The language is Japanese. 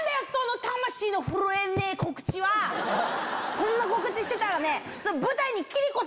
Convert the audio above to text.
そんな告知してたらね。